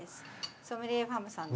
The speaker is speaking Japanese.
ソムリエファームさんの。